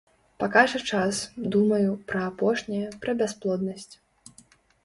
Пакажа час, думаю, пра апошняе, пра бясплоднасць.